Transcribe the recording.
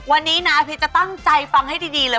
วันนี้นะพีชจะตั้งใจฟังให้ดีเลย